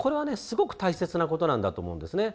すごく大切なことなんだと思うんですね。